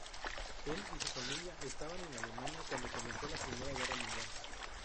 Él y su familia estaban en Alemania cuándo comenzó la Primera Guerra Mundial.